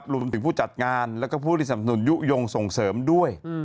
รวมถึงผู้จัดงานแล้วก็ผู้ที่สำนุนยุโยงส่งเสริมด้วย